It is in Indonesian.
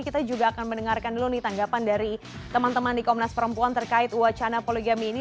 kita juga akan mendengarkan dulu nih tanggapan dari teman teman di komnas perempuan terkait wacana poligami ini